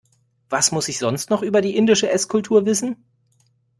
Was muss ich sonst noch über die indische Esskultur wissen?